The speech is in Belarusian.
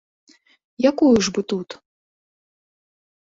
Якую ж бы тут?